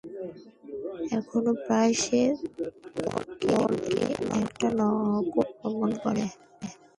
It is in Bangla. এখনও প্রায় সর্বদেশে বরকে একটা নকল আক্রমণ করে।